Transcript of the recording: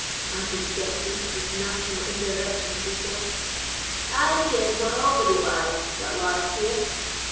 answered the sexton, with national indirection of response. "I ken whar a'body lies, that lies here.